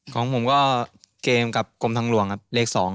ของผมก็เกมกับกรมทางหลวงครับเลข๒